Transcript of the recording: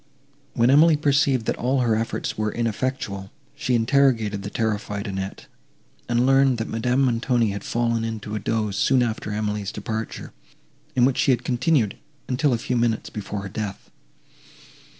When Emily perceived, that all her efforts were ineffectual, she interrogated the terrified Annette, and learned, that Madame Montoni had fallen into a doze soon after Emily's departure, in which she had continued, until a few minutes before her death.